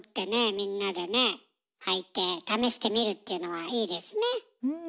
みんなで履いて試してみるっていうのはいいですね。